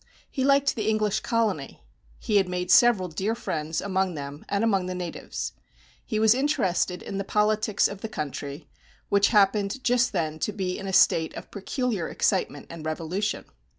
He liked the English colony. He had made several dear friends among them and among the natives. He was interested in the politics of the country, which happened, just then, to be in a state of peculiar excitement and revolution.